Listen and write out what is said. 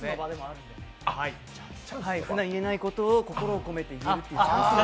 ふだん言えないことを心を込めて言えるという。